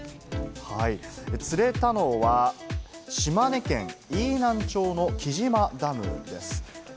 釣れたのは島根県飯南町の来島ダムです。